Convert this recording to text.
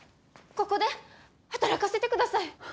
ここで働かせてください！